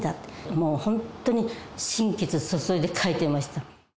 もう本当に心血注いで描いてました。